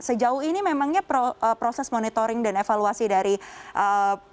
sejauh ini memangnya proses monitoring dan evaluasi dari aplikasi peduli lindungi